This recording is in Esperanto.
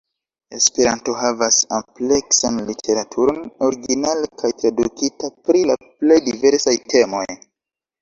Esperanto havas ampleksan literaturon, originale kaj tradukita, pri la plej diversaj temoj.